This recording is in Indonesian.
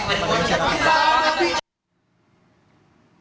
bapak akan melakukan open house di bapak